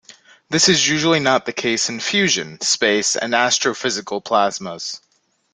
This is usually not the case in fusion, space and astrophysical plasmas.